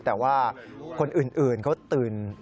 แต่ว่าคนอื่นเขาตื่น